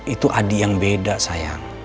itu adik yang beda sayang